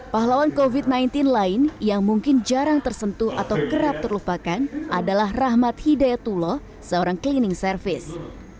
pahlawan covid sembilan belas lain yang mungkin jarang tersentuh atau kerap terlupakan adalah rahmat hidayatullah seorang cleaning service